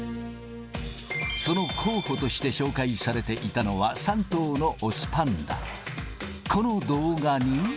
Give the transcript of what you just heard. その候補として紹介されていたのは、３頭の雄パンダ。